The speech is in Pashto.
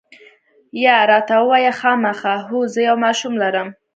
یا، راته ووایه، خامخا؟ هو، زه یو ماشوم لرم.